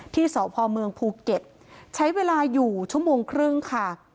ที่สพเมืองภูเก็ตใช้เวลาอยู่ชั่วโมงครึ่งค่ะ